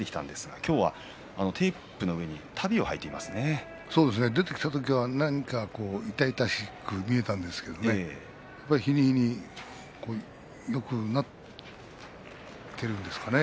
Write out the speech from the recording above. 今日はテープの上に出てきた時には痛々しく見えたんですが日に日によくなっているんですかね。